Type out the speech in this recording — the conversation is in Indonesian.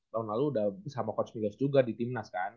tahun lalu udah sama coach milos juga di timnas kan